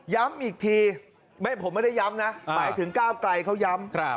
ย้ำอีกทีผมไม่ได้ย้ำนะหมายถึงก้าวไกลเขาย้ำ